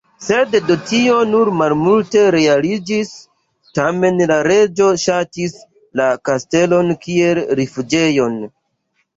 Sed de tio nur malmulte realiĝis, tamen la reĝo ŝatis la kastelon kiel rifuĝejon.